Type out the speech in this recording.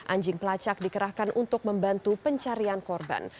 anjing pelacak dikerahkan untuk membantu pencarian korban